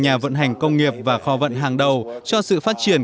nhà vận hành công nghiệp và kho vận hàng đầu cho sự phát triển